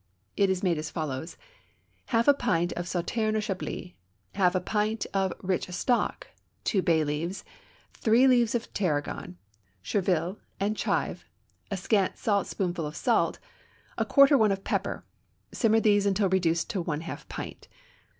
It is made as follows: Half a pint of Sauterne or Chablis, half a pint of rich stock, two bay leaves, three leaves of tarragon, chervil, and chive, a scant saltspoonful of salt, a quarter one of pepper; simmer these until reduced to one half pint.